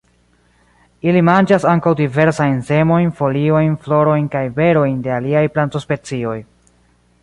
Ili manĝas ankaŭ diversajn semojn, foliojn, florojn kaj berojn de aliaj plantospecioj.